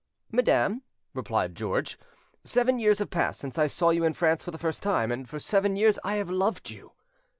"Madam," replied George, "seven years have passed since I saw you in France for the first time, and for seven years I have loved you".